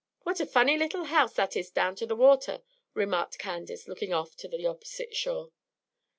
"What a fanny little house that is close down to the water!" remarked Candace, looking off to the opposite shore.